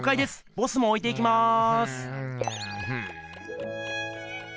ボスもおいていきます！